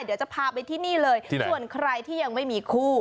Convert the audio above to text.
เดี๋ยวจะพาไปที่นี่เลยส่วนใครที่ยังไม่มีคู่